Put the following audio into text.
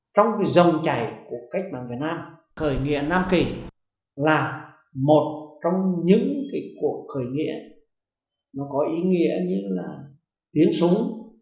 trong dòng chảy của cách bằng việt nam khởi nghĩa nam kỳ là một trong những cuộc khởi nghĩa có ý nghĩa như tiến súng